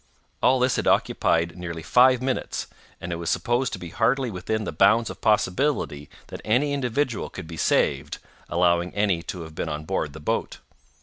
All this had occupied nearly five minutes, and it was supposed to be hardly within the bounds of possibility that any individual could be saved—allowing any to have been on board the boat.